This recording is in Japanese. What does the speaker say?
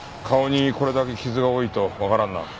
顔にこれだけ傷が多いとわからんな。